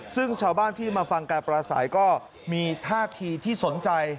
ซึ่งชาวบ้านที่มาฟังการปราศัยก็มีท่าทีที่สนใจ